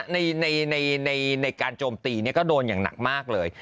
ในในในในในการโจมตีเนี่ยก็โดนอย่างหนักมากเลย